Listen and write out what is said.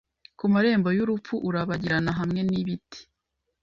kumarembo yurupfu urabagirana hamwe nibiti